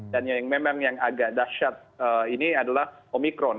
dan yang memang yang agak dahsyat ini adalah omikron